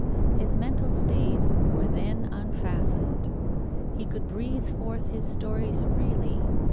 His mental stays were then unfastened. He could breathe forth his stories freely.